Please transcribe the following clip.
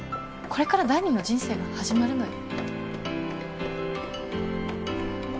これから第二の人生が始まるのよ